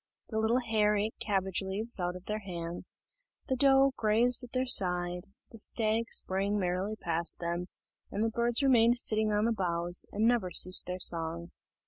The little hare ate cabbage leaves out of their hands, the doe grazed at their side, the stag sprang merrily past them, and the birds remained sitting on the boughs, and never ceased their songs.